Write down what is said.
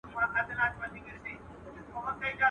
o خپل سر پخپله نه خريل کېږي.